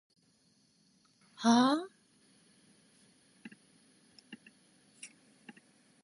はーーー？